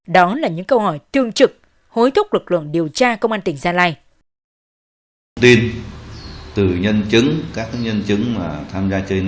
đó là những câu hỏi tương trực hối thúc lực lượng điều tra công an tỉnh gia lai